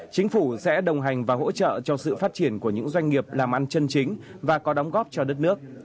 chính phủ sẽ đồng hành và hỗ trợ cho sự phát triển của những doanh nghiệp làm ăn chân chính và có đóng góp cho đất nước